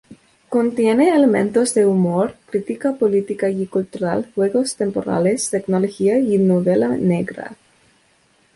Contiene elementos de humor, crítica política y cultural, juegos temporales, tecnología y novela negra.